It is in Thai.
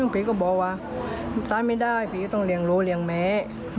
พี่ก็บอกว่าตายไม่ได้พี่ก็ต้องเรียนรู้เลี้ยงแม่